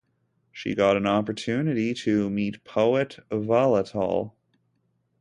She got an opportunity to meet poet Vallathol.